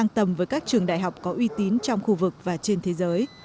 trường đại học có uy tín trong khu vực và trên thế giới